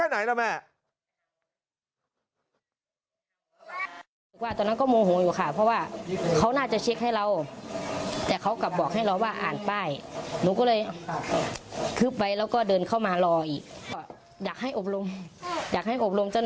นานแค่ไหนล่ะแม่